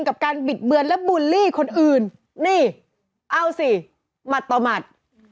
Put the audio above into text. กับการบิดเบือนและบูลลี่คนอื่นนี่เอาสิหมัดต่อหมัด